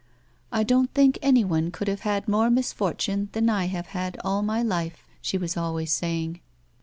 " I don't think anyone could have had more misfortunes than I have had all my life," she was always saying.